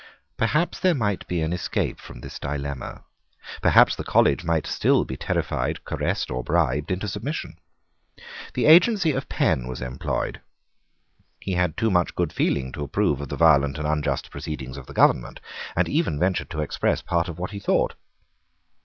Perhaps there might be an escape from this dilemma. Perhaps the college might still be terrified, caressed, or bribed into submission. The agency of Penn was employed. He had too much good feeling to approve of the violent and unjust proceedings of the government, and even ventured to express part of what he thought.